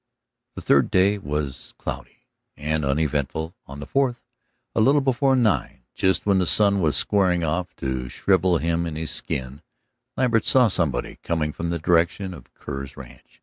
The third day was cloudy and uneventful; on the fourth, a little before nine, just when the sun was squaring off to shrivel him in his skin, Lambert saw somebody coming from the direction of Kerr's ranch.